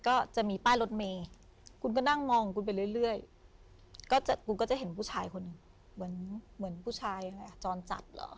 ก็จะมีป้ายรถเมย์คุณก็นั่งมองคุณไปเรื่อยก็จะคุณก็จะเห็นผู้ชายคนหนึ่งเหมือนเหมือนผู้ชายจรจัดเหรอ